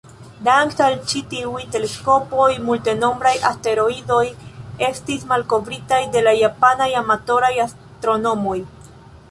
Dank'al ĉi-tiuj teleskopoj, multenombraj asteroidoj estis malkovritaj de la japanaj amatoraj astronomoj.